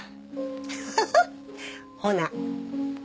フフッほな。